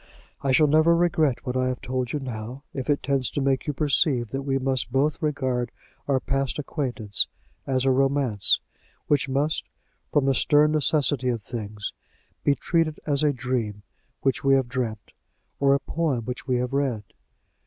I shall never regret what I have told you now, if it tends to make you perceive that we must both regard our past acquaintance as a romance, which must, from the stern necessity of things, be treated as a dream which we have dreamt, or a poem which we have read."